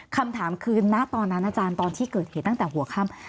คำถามคือณตอนนั้นอาจารย์ตอนที่เกิดเหตุตั้งแต่หัวค่ำ